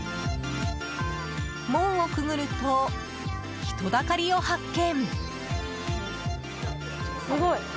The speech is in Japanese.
門をくぐると、人だかりを発見！